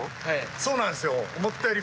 そうなんですよ。